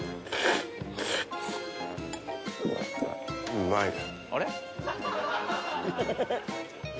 うまいね。